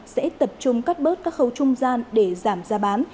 sẽ tập trung cắt bớt các khâu trung gian để giảm giá bán